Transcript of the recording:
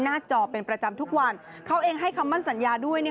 จอเป็นประจำทุกวันเขาเองให้คำมั่นสัญญาด้วย